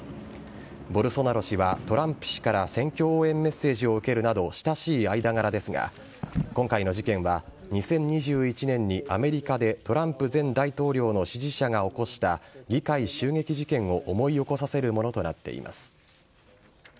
ボルソナロ氏はトランプ氏から選挙応援メッセージを受けるなど親しい間柄ですが、今回の事件は、２０２１年にアメリカでトランプ前大統領の支持者が起こした議会襲撃事件を思い起こさせるものとなっています。